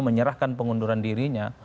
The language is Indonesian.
menyerahkan pengunduran dirinya